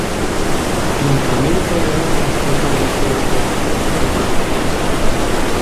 ¿Quince mil toneladas é toda a achega que vai facer Sogama?